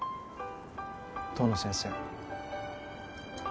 遠野先生。